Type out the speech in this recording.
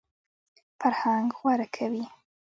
فرهنګ غوره کوي.